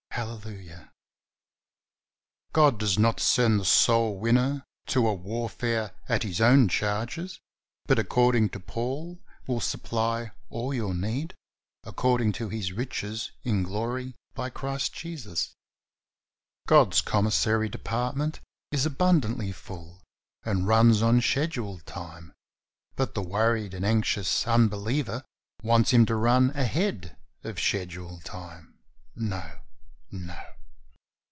Hallelujah! 102 THE soul winner's SECRET. God does not send the soul winner to a v/arfare at his own charges, but according to Paul, "will supply all your need according to His riches in glory by Christ Jesus." God's commissary department is abundantly full and runs on schedule time, but the worried and anxious unbeliever wants Him to run ahead of schedule time. No, no